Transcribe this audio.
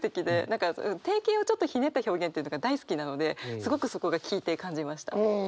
何か定型をちょっとひねった表現というのが大好きなのですごくそこが聞いて感じました。